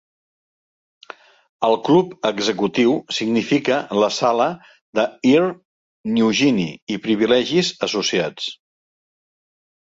El Club Executiu significa la sala d'Air Niugini i privilegis associats.